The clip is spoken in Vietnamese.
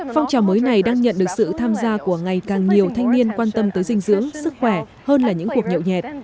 phong trào mới này đang nhận được sự tham gia của ngày càng nhiều thanh niên quan tâm tới dinh dưỡng sức khỏe hơn là những cuộc nhậu nhẹt